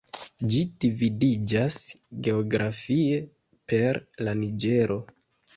Ĝi dividiĝas geografie per la Niĝero.